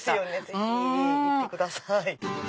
ぜひ行ってください。